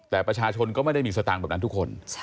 แต่ประชาชนก็ไม่ได้มีสตางค์แบบนั้นทุกคน